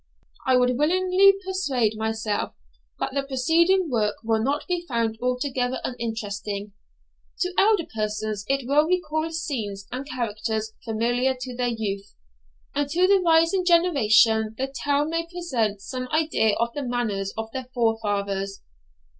I would willingly persuade myself that the preceding work will not be found altogether uninteresting. To elder persons it will recall scenes and characters familiar to their youth; and to the rising generation the tale may present some idea of the manners of their forefathers.